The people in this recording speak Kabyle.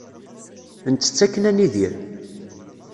Nettett akken ad nidir.